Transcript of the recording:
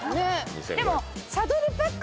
でも。